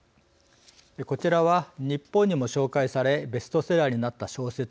こちらは日本にも紹介されベストセラーになった小説